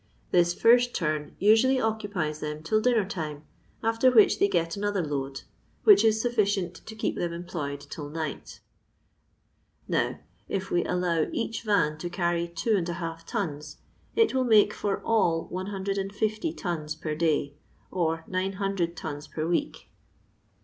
This first turn usually occupies them till dinnez^time, after which they get another load, which is sufficient to keep them employed till night. Now if we allow each van to carry two and a half tons, it will make for all 150 tons per day, or 900 tons per week.